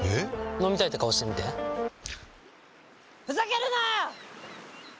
飲みたいって顔してみてふざけるなー！